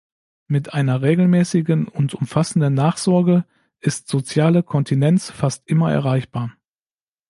Mit einer regelmäßigen und umfassenden Nachsorge ist soziale Kontinenz fast immer erreichbar.